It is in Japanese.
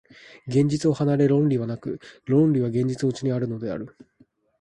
現実を離れて論理はなく、論理は現実のうちにあるのである。